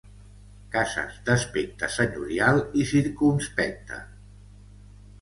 Cases d'aspecte senyorial i circumspecte